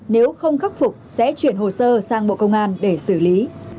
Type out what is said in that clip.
nếu không khắc phục sẽ chuyển hồ sơ sang bộ công an để xử lý